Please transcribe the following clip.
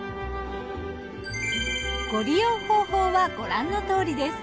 ご利用方法はご覧のとおりです。